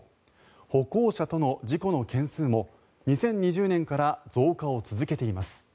歩行者との事故の件数も２０２０年から増加を続けています。